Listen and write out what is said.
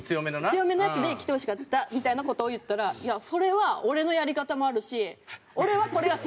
強めのやつできてほしかったみたいな事を言ったら「それは俺のやり方もあるし俺はこれが正解だと思って」。